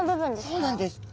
そうなんです。